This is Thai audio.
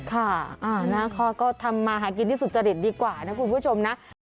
ค่ะก็ทำมาหากินที่สุจริตดีกว่านะคุณผู้ชมนะ